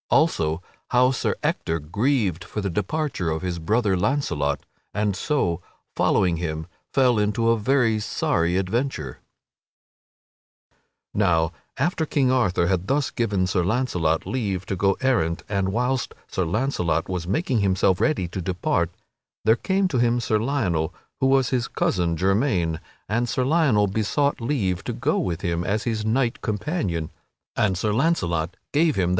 Also How Sir Ector Grieved for the Departure of His Brother Launcelot and So, Following Him, Fell into a Very Sorry Adventure_. Now after King Arthur had thus given Sir Launcelot leave to go errant and whilst Sir Launcelot was making himself ready to depart there came to him Sir Lionel, who was his cousin germain, and Sir Lionel besought leave to go with him as his knight companion, and Sir Launcelot gave him that leave.